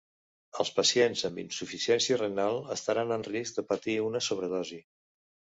Els pacients amb insuficiència renal estaran en risc de patir una sobredosi.